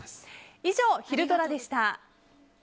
以上、ひるドラ！でした。